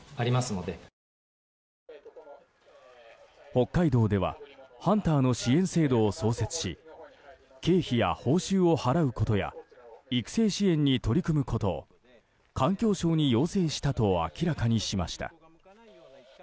北海道ではハンターの支援制度を創設し経費や報酬を払うことや育成支援に取り組むことを環境省に要請したと明らかにしました。